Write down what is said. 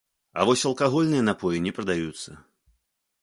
А вось алкагольныя напоі не прадаюцца.